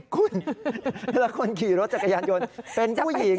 คุณเวลาคนขี่รถจักรยานยนต์เป็นผู้หญิง